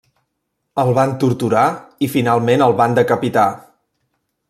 El van torturar i finalment el van decapitar.